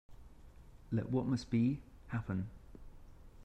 Let what must be, happen.